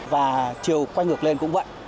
và chiều quay ngược lên cũng vậy